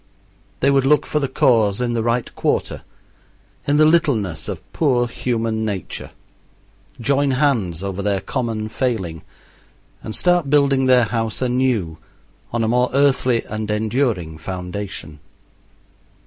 They would look for the cause in the right quarter in the littleness of poor human nature join hands over their common failing, and start building their house anew on a more earthly and enduring foundation.